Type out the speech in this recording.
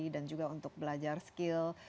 dan juga untuk belajar skill